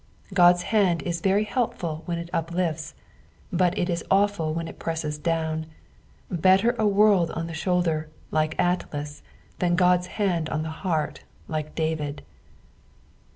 God's hand is very helpful when it uplifts, but it is awful when it presaes down : better a world on the shoulder, like Atlas, than God's hand on the heart, like David.